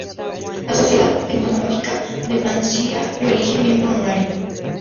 La Sociedad Entomológica de Francia lo elige miembro honorario.